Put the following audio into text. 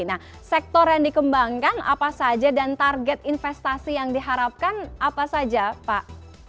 nah sektor yang dikembangkan apa saja dan target investasi yang diharapkan apa saja pak